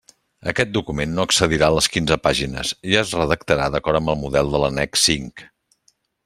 Aquest document no excedirà les quinze pàgines i es redactarà d'acord amb el model de l'annex cinc.